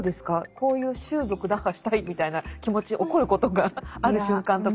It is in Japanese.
こういう習俗打破したいみたいな気持ち起こることがある瞬間とか。